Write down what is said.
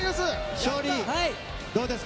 勝利、どうですか？